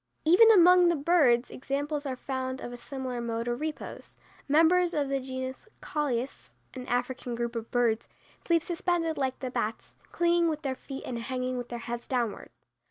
Even among the birds examples are found of a similar mode of repose. Members of the genus Colius, an African group of birds, sleep suspended like the bats, clinging with their feet and hanging with their heads downward.